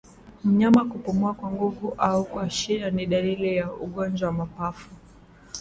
Mnyama kupumua kwa nguvu au kwa shida ni dalili ya ugonjwa wa mapafu